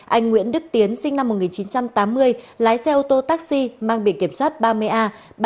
anh nguyễn đức tiến sinh năm một nghìn chín trăm tám mươi lái xe ô tô taxi mang biệt kiểm soát ba mươi a ba mươi sáu nghìn tám trăm bảy mươi tám